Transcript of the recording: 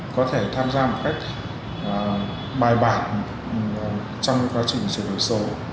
chúng ta tham gia một cách bài bản trong quá trình chuyển đổi số